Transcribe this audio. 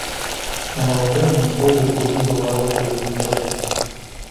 На навакольным полі плугі выварочвалі іх сотнямі.